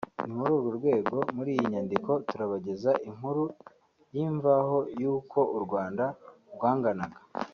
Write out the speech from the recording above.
ni muri urwo rwego muri iyi nyandiko turabageza inkuru y’imvaho y’uko u Rwanda rwanganaga